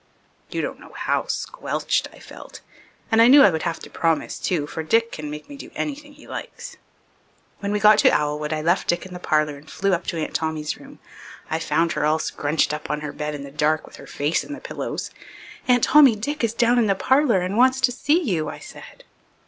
You don't know how squelched I felt. And I knew I would have to promise, too, for Dick can make me do anything he likes. When we got to Owlwood I left Dick in the parlour and flew up to Aunt Tommy's room. I found her all scrunched up on her bed in the dark with her face in the pillows. "Aunt Tommy, Dick is down in the parlour and he wants to see you," I said.